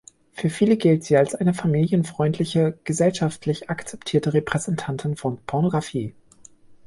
Für viele gilt sie als eine familienfreundliche, gesellschaftlich akzeptierte Repräsentantin von Pornografie.